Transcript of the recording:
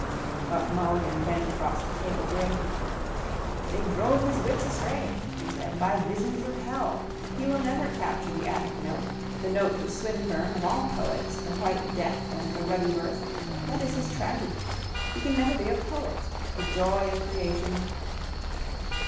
Buck Mulligan bent across the table gravely. —They drove his wits astray, he said, by visions of hell. He will never capture the Attic note. The note of Swinburne, of all poets, the white death and the ruddy birth. That is his tragedy. He can never be a poet. The joy of creation...